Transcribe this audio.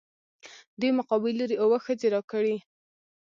دې مقابل لورى اووه ښځې راکړي.